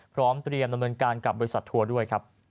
พร้อมเตรียมดำเนินการกับบริษัททัวร์ด้วยครับ